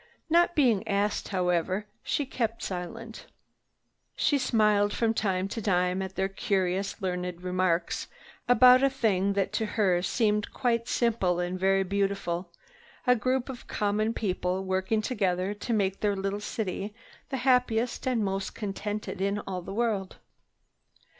Not being asked, however, she kept silent. She smiled from time to time at their curiously learned remarks about a thing that to her had seemed quite simple and very beautiful, a group of common people, working together to make their little city the happiest, most contented in all the world.